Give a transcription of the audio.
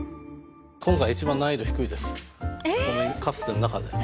今回一番難易度低いです。